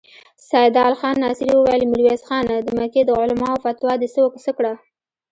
سيدال خان ناصري وويل: ميرويس خانه! د مکې د علماوو فتوا دې څه کړه؟